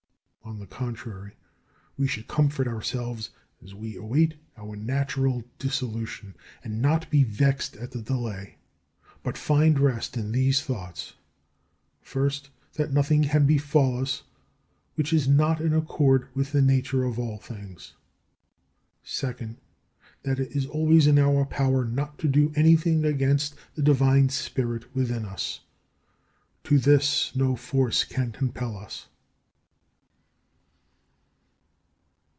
On the contrary, we should comfort ourselves as we await our natural dissolution, and not be vexed at the delay, but find rest in these thoughts: first, that nothing can befall us which is not in accord with the nature of all things; second, that it is always in our power not to do anything against the divine spirit within us: to this no force can compel us.